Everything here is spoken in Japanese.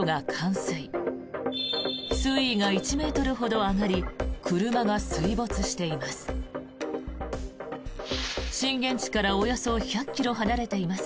水位が１ｍほど上がり車が水没しています。